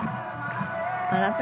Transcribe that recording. あなた？